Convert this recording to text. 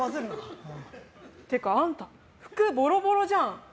ってか、あんた服ボロボロじゃん。